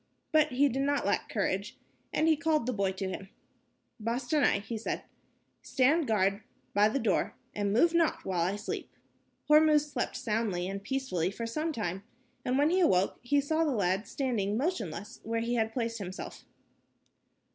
But he did not lack courage, and he called the boy to him. "Bostanai," he said, "stand guard by the door, and move not while I sleep." Hormuz slept soundly and peacefully for some time, and when he awoke he saw the lad standing motionless where he had placed himself.